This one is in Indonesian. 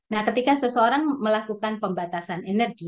nah ketika seseorang melakukan pembatasan energi